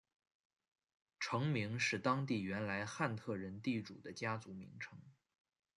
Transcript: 城名是当地原来汉特人地主的家族名称。